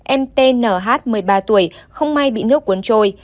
em tnh một mươi ba tuổi không may bị nước cuốn trôi